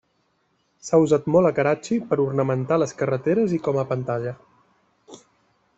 S'ha usat molt a Karachi per ornamentar les carreteres i com a pantalla.